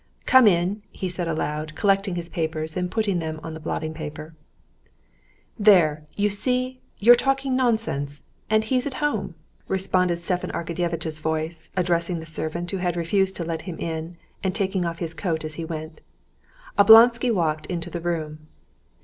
"Come in!" he said aloud, collecting his papers, and putting them in the blotting paper. "There, you see, you're talking nonsense, and he's at home!" responded Stepan Arkadyevitch's voice, addressing the servant, who had refused to let him in, and taking off his coat as he went, Oblonsky walked into the room.